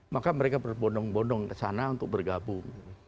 maka mereka berbondong bondong ke sana untuk bergabung